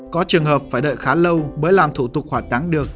có trường hợp phải đợi khá lâu mới làm thủ tục hỏa táng được